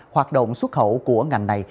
hoạt động xuất khẩu của ngành này